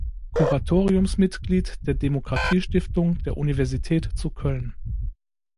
Kuratoriumsmitglied der Demokratie-Stiftung der Universität zu Köln.